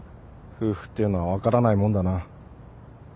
夫婦っていうのは分からないもんだな。